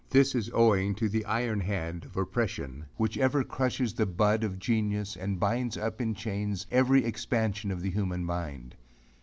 This is owing to the iron hand of oppression, which ever crushes the bud of genius and binds up in chains every expansion of the human mind.